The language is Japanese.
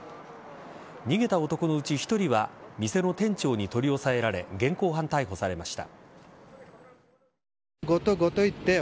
逃げた男のうち１人は店の店長に取り押さえられ現行犯逮捕されました。